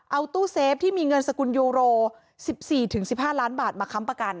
เอาตู้เซฟที่มีเงินสกุลยูโร๑๔๑๕ล้านบาทมาค้ำประกัน